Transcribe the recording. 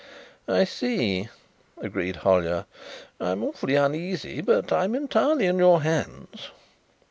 "I see," agreed Hollyer. "I'm awfully uneasy but I'm entirely in your hands."